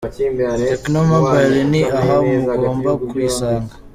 Tecno Mobile ni aha mugomba kuyisanga,.